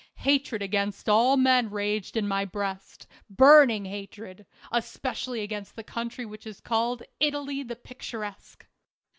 " Hatred against all men raged in my breast — burning hatred; especially against that country which is called ' Italy the Picturesque.